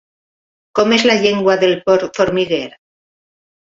Com és la llengua del porc formiguer?